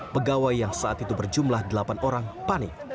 pegawai yang saat itu berjumlah delapan orang panik